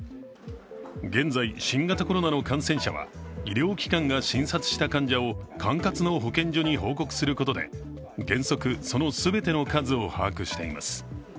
現在、新型コロナの感染者は医療機関が診察した患者を管轄の保健所に報告することで原則、その全ての数を把握しています。